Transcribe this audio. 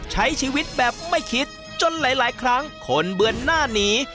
ใช้ชีวิตแบบไม่คิดจนหลายครั้งคนเบือนหน้าหนี